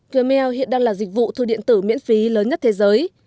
gmea hiện đang là dịch vụ thư điện tử miễn phí lớn nhất thế giới